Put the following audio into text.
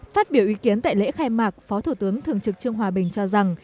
phát biểu ý kiến tại lễ khai mạc phó thủ tướng thường trực trương hòa bình cho rằng